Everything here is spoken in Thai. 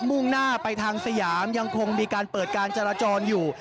มุ่งหน้าไปทางสยามยังคงมีการเปิดการจราจรอยู่